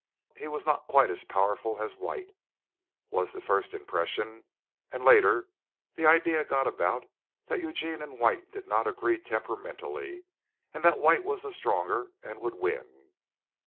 He was not quite as powerful as White, was the first impression, and later the idea got about that Eugene and White did not agree temperamentally and that White was the stronger and would win.